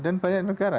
dan banyak negara